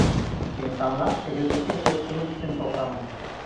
İnsanlar şehirdeki bir etkinlik için toplanmış.